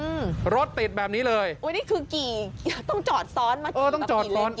อืมรถติดแบบนี้เลยอุ้ยนี่คือกี่ต้องจอดซ้อนไหมเออต้องจอดซ้อน